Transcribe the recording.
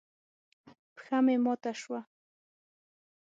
پښه مې ماته شوه.